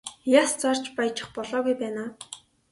Яс зарж баяжих болоогүй байна аа.